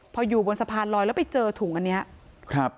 พออยู่บนสะพานลอยแล้วไปเจอถุงอันเนี้ยครับ